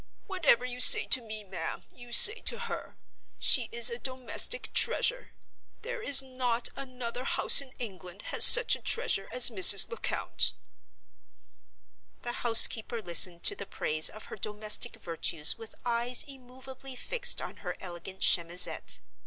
"Whatever you say to me, ma'am, you say to her. She is a domestic treasure. There is not another house in England has such a treasure as Mrs. Lecount." The housekeeper listened to the praise of her domestic virtues with eyes immovably fixed on her elegant chemisette.